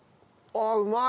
あっうまい！